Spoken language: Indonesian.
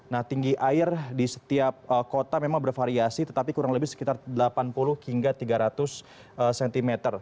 nah tinggi air di setiap kota memang bervariasi tetapi kurang lebih sekitar delapan puluh hingga tiga ratus cm